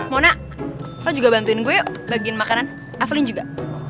mona lo juga bantuin gue bagiin makanan avelyn juga